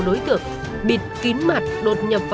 đối tượng đã thực hiện bảy vụ trộm cắp thứ bốn